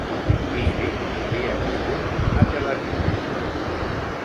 Tishby havia nascut a Tel Aviv.